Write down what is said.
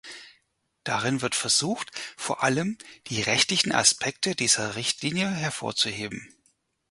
Darin wird versucht, vor allem die rechtlichen Aspekte dieser Richtlinie hervorzuheben.